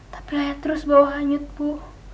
tapi lihat terus bawa hanyut bu